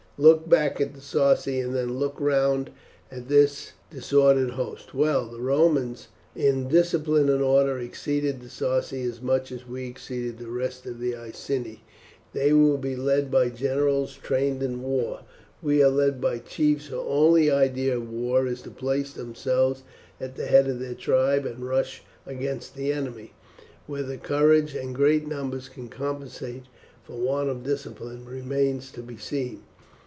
Look back at the Sarci and then look round at this disordered host. Well, the Romans in discipline and order exceed the Sarci as much as we exceed the rest of the Iceni. They will be led by generals trained in war; we are led by chiefs whose only idea of war is to place themselves at the head of their tribe and rush against the enemy. Whether courage and great numbers can compensate for want of discipline remains to be seen.